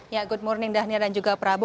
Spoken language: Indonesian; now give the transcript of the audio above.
ya good morning dhaniar dan juga prabu